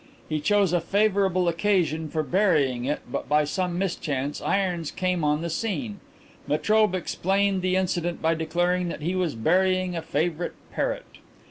He chose a favourable occasion for burying it, but by some mischance Irons came on the scene. Metrobe explained the incident by declaring that he was burying a favourite parrot.